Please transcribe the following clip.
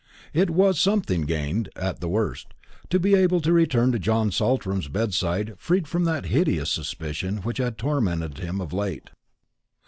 It was something gained, at the worst, to be able to return to John Saltram's bedside freed from that hideous suspicion which had tormented him of late.